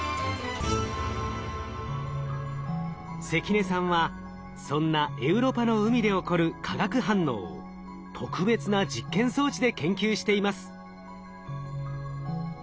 関根さんはそんなエウロパの海で起こる化学反応を特別な実験装置で研究しています。